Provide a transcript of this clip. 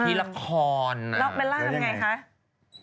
ที่ละครแล้วเบลล่ากันยังไงคะ